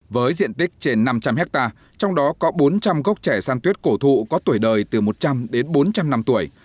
với diện tích trên năm trăm linh hectare trong đó có bốn trăm linh gốc trẻ san tuyết cổ thụ có tuổi đời từ một trăm linh đến bốn trăm linh năm tuổi